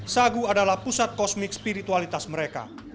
sagu adalah pusat kosmik spiritualitas mereka